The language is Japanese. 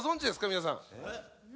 皆さん。